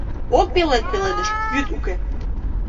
Ок пелед пеледыш — вӱд уке!